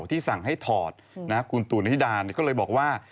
ที่สั่งให้ถอดคุณตูนธิดาก็เลยบอกว่า